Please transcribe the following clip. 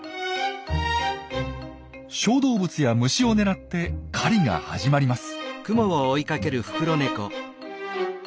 小動物や虫を狙って狩りが始まります。